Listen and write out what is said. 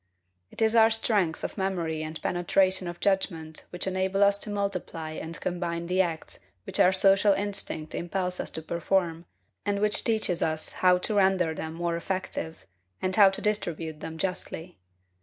It is our strength of memory and penetration of judgment which enable us to multiply and combine the acts which our social instinct impels us to perform, and which teaches us how to render them more effective, and how to distribute them justly.